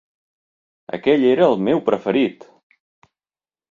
Aquell era el meu preferit!